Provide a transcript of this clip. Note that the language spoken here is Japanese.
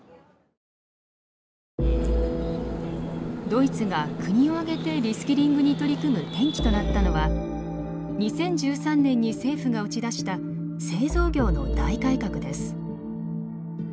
ドイツが国を挙げてリスキリングに取り組む転機となったのは２０１３年に政府が打ち出した製造業の大改革です。